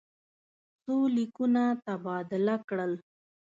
څو لیکونه تبادله کړل.